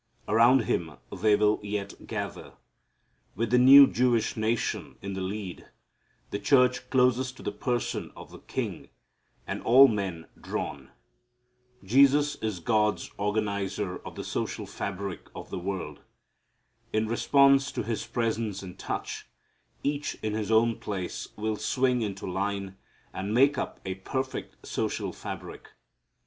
Around Him they will yet gather, with the new Jewish nation in the lead, the church closest to the person of the king, and all men drawn. Jesus is God's organizer of the social fabric of the world. In response to His presence and touch, each in his own place will swing into line and make up a perfect social fabric.